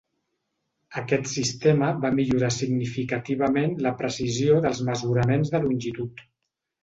Aquest sistema va millorar significativament la precisió dels mesuraments de longitud.